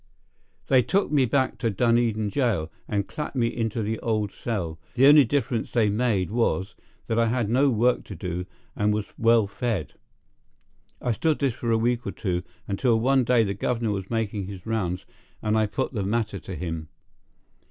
They took me back to Dunedin Jail, and clapped me into the old cell. The only difference they made was, that I had no work to do and was well fed. I stood this for a week or two, until one day the governor was making his rounds, and I put the matter to him.